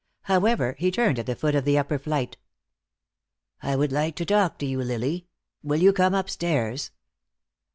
However, he turned at the foot of the upper flight. "I would like to talk to you, Lily. Will you come upstairs?"